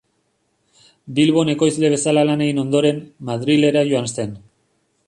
Bilbon ekoizle bezala lan egin ondoren, Madrilera joan zen.